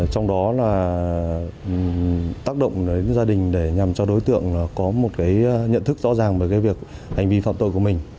trong đó là tác động gia đình để nhằm cho đối tượng có một nhận thức rõ ràng về việc hành vi phạm tội của mình